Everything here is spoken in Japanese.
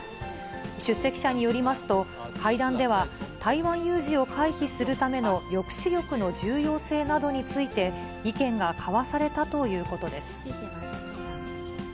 出席者によりますと、会談では台湾有事を回避するための抑止力の重要性などについて、意見が交わされたということです。